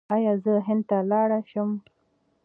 ایا زه هند ته لاړ شم؟